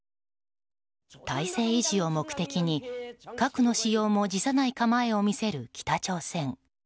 体制維持を目的に核の使用も辞さない構えを見せる北朝鮮。